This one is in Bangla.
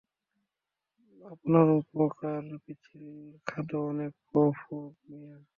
আপনার উপত্যকায় পিচ্ছিল খাঁদও অনেক, গফুর মিয়া!